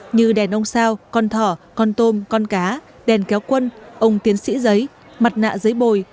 như đèn ông sao con thỏ con tôm con cá đèn kéo quân ông tiến sĩ giấy mặt nạ giấy bồi